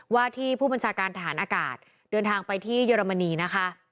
ว่าที่ผู้บัญชาการทหารอากาศเดินทางไปที่เยอรมนีนะคะ